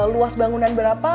luas bangunan berapa